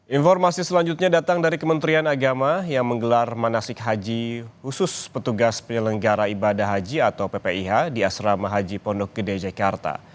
informasi selanjutnya datang dari kementerian agama yang menggelar manasik haji khusus petugas penyelenggara ibadah haji atau ppih di asrama haji pondok gede jakarta